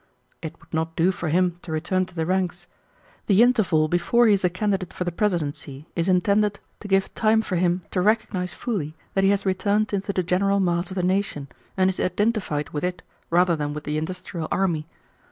It would not do for him to return to the ranks. The interval before he is a candidate for the presidency is intended to give time for him to recognize fully that he has returned into the general mass of the nation, and is identified with it rather than with the industrial army.